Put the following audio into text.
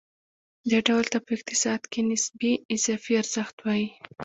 دې ډول ته په اقتصاد کې نسبي اضافي ارزښت وايي